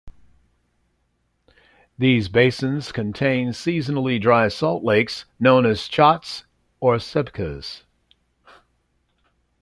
These basins contain seasonally dry salt lakes, known as chotts or sebkhas.